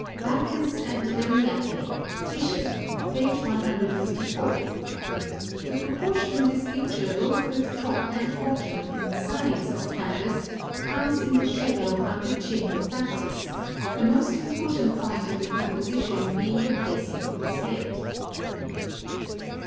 "Bacchus and Ariadne," Titian, page 154 [Transcribers Note: Plate XXXIV]. The proportion in this picture both with top and bottom and sides of canvas comes in the shadow under chin of Bacchus; the most important point in the composition being the placing of this head.